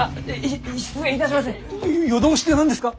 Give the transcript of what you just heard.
夜通しって何ですか？